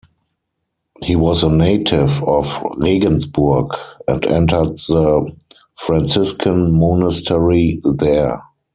He was a native of Regensburg, and entered the Franciscan monastery there.